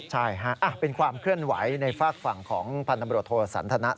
ใช่ฮะเป็นความเคลื่อนไหวในฝากฝั่งของพันธบรวจโทสันทนะ